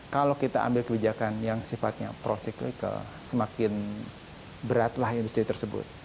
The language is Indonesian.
kalau kita ambil kebijakan yang sifatnya pro cyclical semakin beratlah industri tersebut